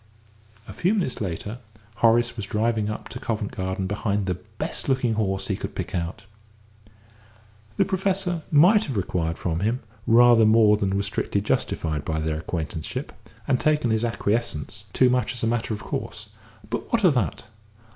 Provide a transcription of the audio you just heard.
A few minutes later Horace was driving up to Covent Garden behind the best looking horse he could pick out. The Professor might have required from him rather more than was strictly justified by their acquaintanceship, and taken his acquiescence too much as a matter of course but what of that?